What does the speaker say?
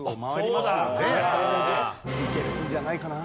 いけるんじゃないかな？